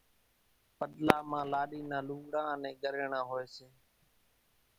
پڏلا مان لاڏِي نان لوُڳڙان انين ڳريڻان هوئيَ سي۔